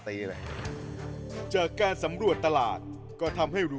คิกคิกคิกคิกคิกคิกคิกคิก